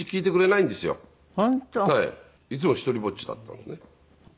いつも独りぼっちだったのね。